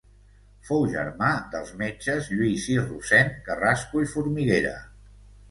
Fou germà dels metges Lluís i Rossend Carrasco i Formiguera.